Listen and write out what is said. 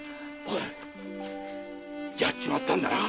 〔殺っちまったんだな。